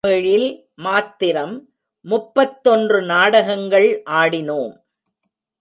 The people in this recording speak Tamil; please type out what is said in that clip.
தமிழில் மாத்திரம் முப்பத்தொன்று நாடகங்கள் ஆடினோம்.